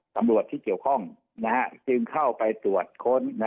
ตำรวจที่เกี่ยวข้องจึงเข้าไปตรวจค้น